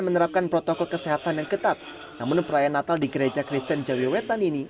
menerapkan protokol kesehatan yang ketat namun perayaan natal di gereja kristen jawiwetan ini